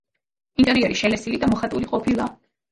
ინტერიერი შელესილი და მოხატული ყოფილა.